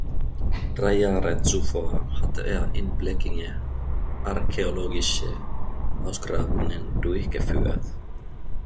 Drei Jahre zuvor hatte er in Blekinge archäologische Ausgrabungen durchgeführt.